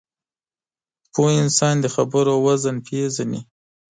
پوه انسان د خبرو وزن پېژني